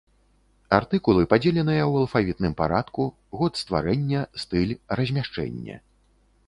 Артыкулы падзеленыя ў алфавітным парадку, год стварэння, стыль, размяшчэнне.